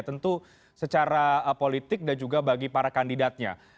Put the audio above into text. tentu secara politik dan juga bagi para kandidatnya